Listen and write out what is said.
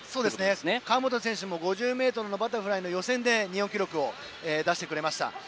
川本選手も５０ｍバタフライの予選で日本記録を出してくれました。